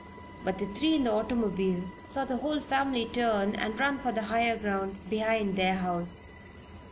But the three in the automobile saw the whole family turn and run for the higher ground behind their house.